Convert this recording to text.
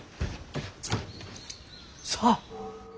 さあ。